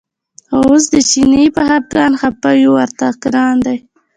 خو اوس د چیني په خپګان خپه یو ورته ګران دی.